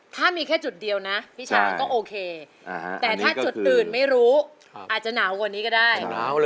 ถ้ามีแค่จุดเดียวนะพี่ช้างก็โอเคแต่ถ้าจุดอื่นไม่รู้อาจจะหนาวกว่านี้ก็ได้